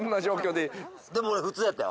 でも俺普通やったよ。